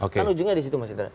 kan ujungnya di situ mas indra